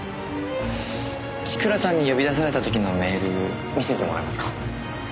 千倉さんに呼び出された時のメール見せてもらえますか？